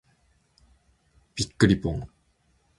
びっくりぽん。